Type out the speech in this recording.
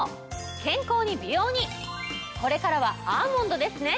健康に美容にこれからはアーモンドですね！